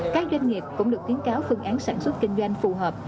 các doanh nghiệp cũng được khuyến cáo phương án sản xuất kinh doanh phù hợp